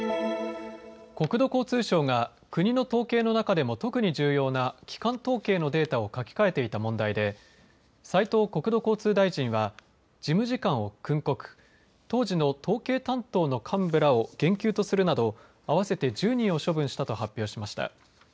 国土交通省が国の統計の中でも特に重要な基幹統計のデータを書き換えていた問題で斉藤国土交通大臣は事務次官を訓告、当時の統計担当の幹部らを減給とするなど合わせて１０人を処分したと発表しました。